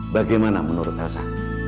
bagaimana menurut telsa